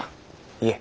いえ。